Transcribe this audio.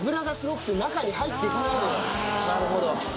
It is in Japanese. なるほど。